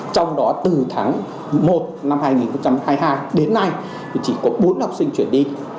trong đó từ tháng một năm hai nghìn hai mươi hai đến nay thì chỉ có bốn học sinh chuyển đi